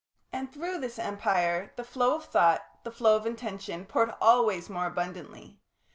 And through this empire the flow of thought, the flow of intention, poured always more abundantly.